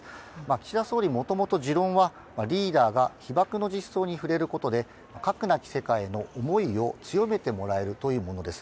岸田総理もともと持論はリーダーが被爆の実相に触れることで核なき世界への思いを強めてもらえるというものです。